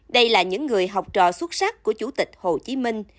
đây là những người học trò xuất sắc của chủ tịch hồ chí minh